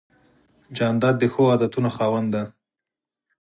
جانداد د ښو عادتونو خاوند دی.